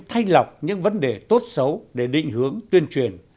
thay lọc những vấn đề tốt xấu để định hướng tuyên truyền